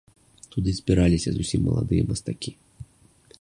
Туды збіраліся зусім маладыя мастакі.